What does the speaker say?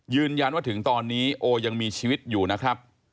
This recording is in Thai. ยืนยันว่าถึงตอนนี้โอยังมีชีวิตอยู่นะครับ